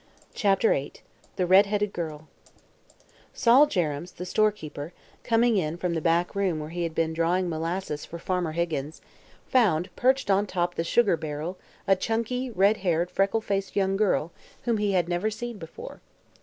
CHAPTER VIII THE RED HEADED GIRL Sol Jerrems the storekeeper, coming in from the back room where he had been drawing molasses for Farmer Higgins, found perched on top the sugar barrel a chunky, red haired, freckle faced young girl whom he had never seen before.